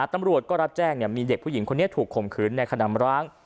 ตำรวจก็รับแจ้งมีเด็กผู้หญิงคนนี้ถูกข่มขืนในขนำร้าง